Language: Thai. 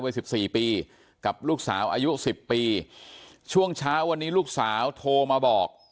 สิบสี่ปีกับลูกสาวอายุสิบปีช่วงเช้าวันนี้ลูกสาวโทรมาบอก